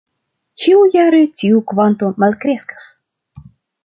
Ĉiujare tiu kvanto malkreskas.